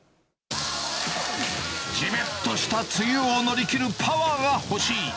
じめっとした梅雨を乗り切るパワーが欲しい。